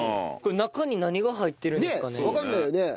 これ中に何が入ってるんですかね？